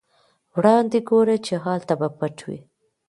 وړاندې ګوره چې هلته به پټ وي.